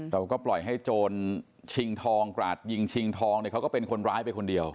เราก็ปล่อยให้โจรชิงทองกราดยิงชิงทองเนี่ยเขาก็เป็นคนร้ายไปคนเดียว